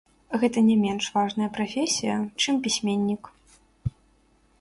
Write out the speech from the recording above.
Гэта не менш важная прафесія, чым пісьменнік.